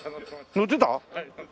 乗ってた？